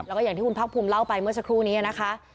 แล้วก็อย่างที่คุณพักภูมิเล่าไปเมื่อสักครู่นี้นะคะ